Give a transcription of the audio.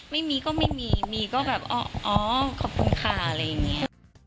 ไม่มีก็ไม่มีมีก็แบบอ๋อขอบคุณค่ะอะไรอย่างนี้